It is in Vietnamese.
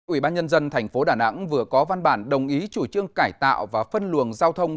ủy ban nhân dân thành phố đà nẵng vừa có văn bản đồng ý chủ trương cải tạo và phân luồng giao thông